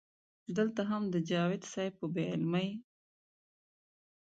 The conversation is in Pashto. دلته هم د جاوېد صېب پۀ بې علمۍ